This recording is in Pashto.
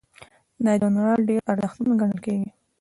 دا ژورنال ډیر ارزښتمن ګڼل کیږي.